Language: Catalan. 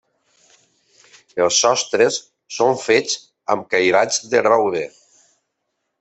Els sostres són fets amb cairats de roure.